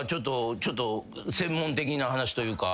ちょっと専門的な話というか。